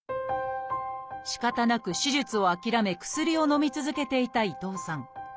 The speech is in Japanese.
しかたなく手術を諦め薬をのみ続けていた伊藤さん。